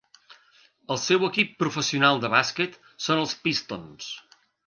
El seu equip professional de bàsquet són els Pistons.